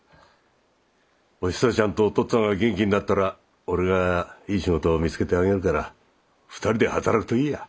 おひさちゃんとお父っつぁんが元気になったら俺がいい仕事を見つけてあげるから２人で働くといいや。